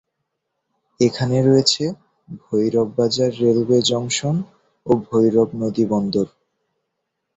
এখানে রয়েছে Bhairab Bazar railway junction ও ভৈরব নদী বন্দর।